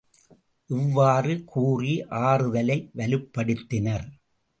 இவ்வாறு கூறி ஆறுதலை வலுப்படுத்தினர்.